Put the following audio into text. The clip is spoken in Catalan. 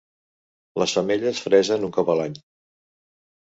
Les femelles fresen un cop a l'any.